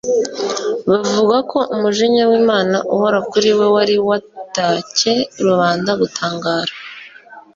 bavuga ko umujinya w'Imana uhora kuri we, wari watcye rubanda gutangara.